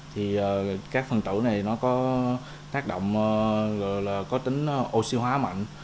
thì các phần tử này nó có tác động gọi là có tính oxy hóa mạnh